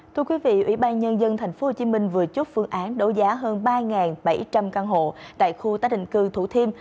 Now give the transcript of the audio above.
thưa quý vị ủy ban nhân dân tp hcm vừa chốt phương án đấu giá hơn ba bảy trăm linh căn hộ tại khu tái định cư thủ thiêm